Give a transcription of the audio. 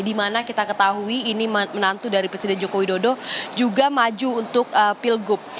dimana kita ketahui ini menantu dari presiden joko widodo juga maju untuk pilgub